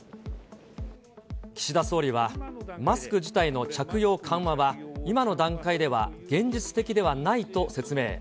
岸田総理は、マスク自体の着用緩和は、今の段階では現実的ではないと説明。